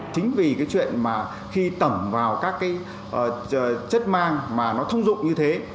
chính vì cái chuyện mà khi tẩm vào các cái chất mang mà nó thông dụng như thế